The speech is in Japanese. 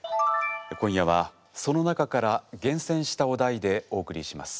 今夜はその中から厳選したお題でお送りします。